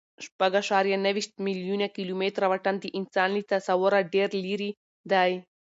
شپږ اعشاریه نهه ویشت میلیونه کیلومتره واټن د انسان له تصوره ډېر لیرې دی.